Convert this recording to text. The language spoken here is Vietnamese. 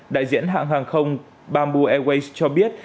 đại diễn hãng hàng không bamboo airways cho biết